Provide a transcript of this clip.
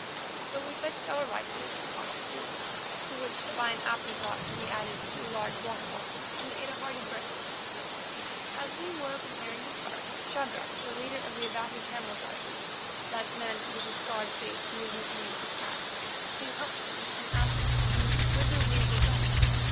So we fetched our rifles and cartridges, to which by an afterthought we added two large water bottles, and ate a hearty breakfast. As we were preparing to start, Shadrach, the leader of the Abati camel drivers, that man with the scarred face who was nicknamed the Cat, came up to me and asked me whither we were going.